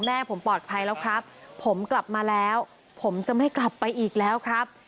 แม่ผมปลอดภัยแล้วครับผมกลับมาแล้วผมจะไม่กลับไปอีกแล้วครับ